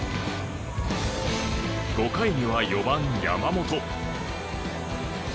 ５回には４番、山本。